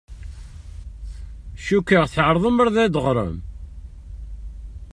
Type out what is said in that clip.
Cukkeɣ tɛerḍem ad ɣ-d-teɣṛem.